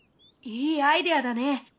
いいアイデアだね！